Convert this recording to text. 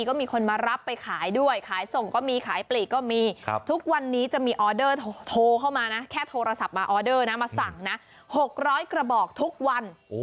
๖๐๐กระบอกทุกวันขั้นต่ำ